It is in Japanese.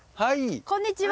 こんにちは！